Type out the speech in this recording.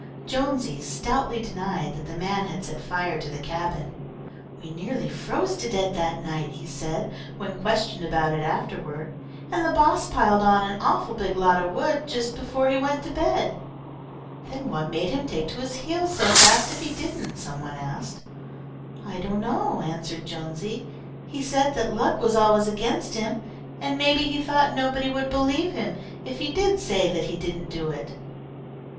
Jonesy stoutly denied that the man had set fire to the cabin. "We nearly froze to death that night," he said, when questioned about it afterward, "and the boss piled on an awful big lot of wood just before he went to bed." "Then what made him take to his heels so fast if he didn't?" some one asked. "I don't know," answered Jonesy. "He said that luck was always against him, and maybe he thought nobody would believe him if he did say that he didn't do it."